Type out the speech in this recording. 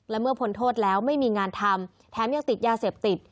และเมื่อพ้นโทษแล้วไม่มีงานทำแถมยังติดยาเสพติด